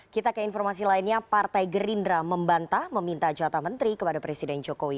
kita ke informasi lainnya partai gerindra membantah meminta jatah menteri kepada presiden jokowi